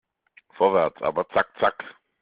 Vorwärts, aber zack zack!